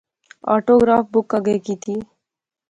آٹو گراف بک اگے کیتی